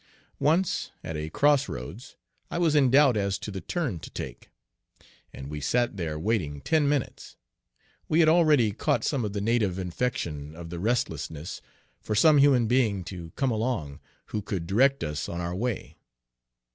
Once, at a cross roads, I was in doubt as to the turn to take, and we sat there waiting ten minutes we had already caught some of the native infection of restfulness for some human being to come along, who could direct us on our way.